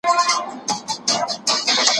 تاسو به خلګو ته سمه لار وښاياست.